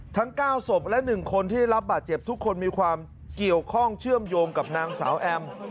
ทั้ง๙ศพและ๑คนที่ได้รับบาดเจ็บทุกคนมีความเกี่ยวข้องเชื่อมโยงกับนางสาวแอม